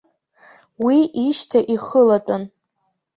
Уи ишьҭа ихылатәын.